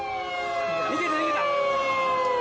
逃げた逃げた！